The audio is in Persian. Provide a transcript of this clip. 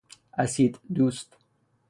اسیددوست